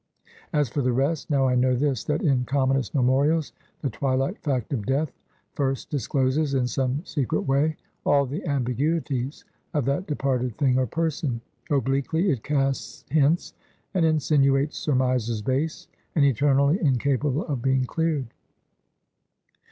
As for the rest now I know this, that in commonest memorials, the twilight fact of death first discloses in some secret way, all the ambiguities of that departed thing or person; obliquely it casts hints, and insinuates surmises base, and eternally incapable of being cleared.